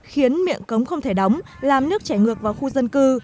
khiến miệng cống không thể đóng làm nước chảy ngược vào khu dân cư